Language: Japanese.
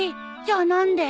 じゃあ何で？